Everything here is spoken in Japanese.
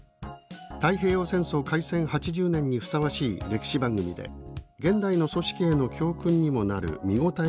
太平洋戦争開戦８０年にふさわしい歴史番組で現代の組織への教訓にもなる見応えのある番組だ」